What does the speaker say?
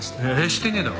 してねえだろ。